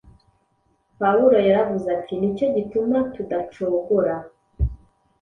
Pawulo yaravuze ati: “Ni cyo gituma tudacogora,